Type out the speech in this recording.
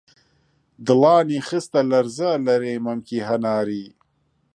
دڵانی خستە لەرزە، لەرەی مەمکی هەناری